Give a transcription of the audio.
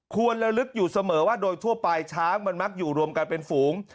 ควรละลึกอยู่เสมอว่าตัวปลายช้างมักอยู่รวมกันเป็นฝูง